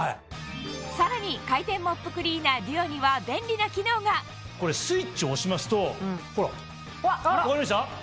さらに回転モップクリーナーＤＵＯにはこれスイッチ押しますとほら分かりました？